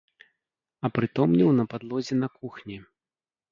Апрытомнеў на падлозе на кухні.